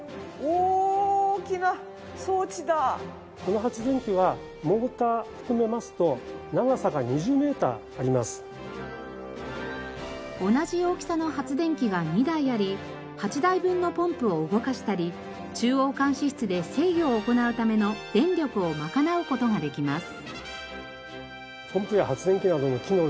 この発電機は同じ大きさの発電機が２台あり８台分のポンプを動かしたり中央監視室で制御を行うための電力を賄う事ができます。